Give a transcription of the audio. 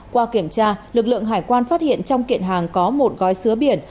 qua kiểm tra lực lượng hải quan phát hiện trong kiện hàng có một gói sứa biển